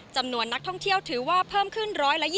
จำนวนนักท่องเที่ยวถือว่าเพิ่มขึ้น๑๒๐